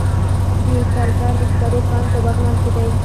د کرکر د سکرو کان په بغلان کې دی